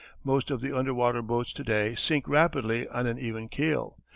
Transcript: Most of the underwater boats to day sink rapidly on an even keel.